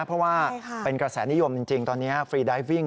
เพราะว่าเป็นกระแสนิยมจริงตอนนี้ฟรีไดทวิ่ง